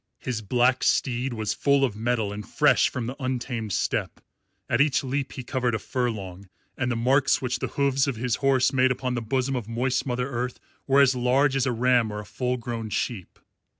His black steed was full of mettle and fresh from the untamed steppe. At each leap he covered a furlong, and the marks which the hoofs of his horse made upon the bosom of moist Mother Earth were as large as a ram or a full grown sheep.